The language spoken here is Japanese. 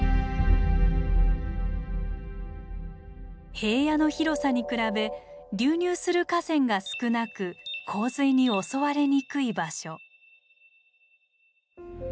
平野の広さに比べ流入する河川が少なく洪水に襲われにくい場所。